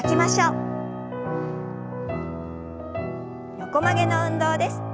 横曲げの運動です。